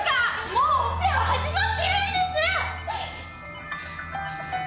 もうオペは始まってるんです！